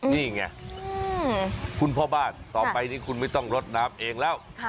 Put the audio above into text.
นี่ไงคุณพ่อบ้านต่อไปนี้คุณไม่ต้องรดน้ำเองแล้ว